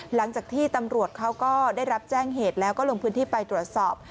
หลังจากที่ตำรวจเขาก็ได้รับแจ้งเหตุแล้วก็ลงพื้นที่ไปตรวจสอบ